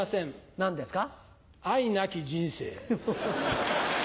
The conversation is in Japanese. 何ですか？